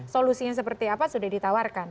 solusinya seperti apa sudah ditawarkan